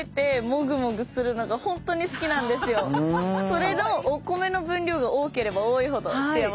それのお米の分量が多ければ多いほど幸せです。